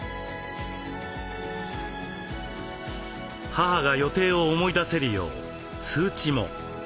母が予定を思い出せるよう通知も。